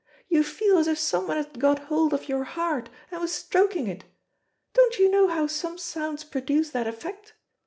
You feel as if someone had got hold of your heart, and was stroking it. Don't you know how some sounds produce that effect?